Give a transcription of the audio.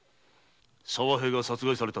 沢平が殺された。